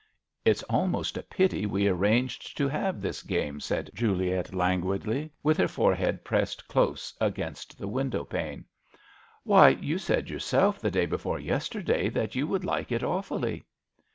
"It's almost a pity we arranged MISS AWDREY AT HOME. 1 83 to have this game/' said Juliet, languidly, with her forehead pressed close against the window pane. " Why, you said yourself the day before yesterday that you would like it awfully."